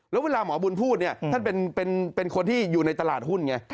แล้วเวลาหมอบุญพูดเนี่ยท่านเป็นคนที่อยู่ในตลาดหุ้นไง